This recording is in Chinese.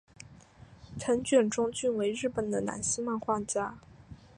藤卷忠俊为日本的男性漫画家。